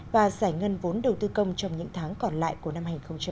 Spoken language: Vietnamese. và giải ngân vốn đầu tư công trong những tháng còn lại của năm hai nghìn hai mươi